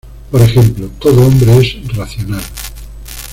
Por ejemplo: "Todo hombre es racional.